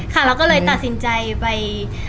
เราก็เลยตัดสินใจไป